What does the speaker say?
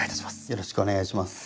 よろしくお願いします。